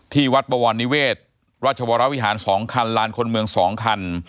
ที่วัดบวรนิเวศราชวรวิหาร๒คันลานคนเมือง๒คัน